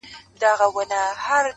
او له سترگو يې څو سپيني مرغلري.